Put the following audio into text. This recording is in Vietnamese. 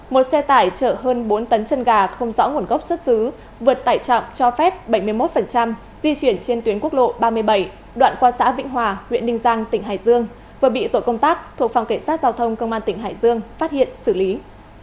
một xe tải chở hơn bốn tấn chân gà không rõ nguồn gốc xuất xứ vượt tải trọng cho phép bảy mươi một di chuyển trên tuyến quốc lộ ba mươi bảy đoạn qua xã vĩnh hòa huyện ninh giang tỉnh hải dương vừa bị tổ công tác thuộc phòng cảnh sát giao thông công an tỉnh hải dương phát hiện xử lý